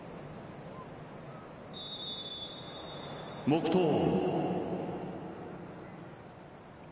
黙とう。